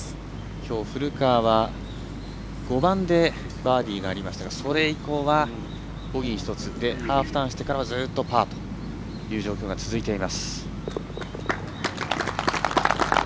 きょう、古川は５番でバーディーがありましたがそれ以降は、ボギー１つでハーフターンしてからはずっとパーという状況が続いています。